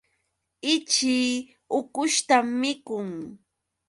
Ichii ukushtam mikun.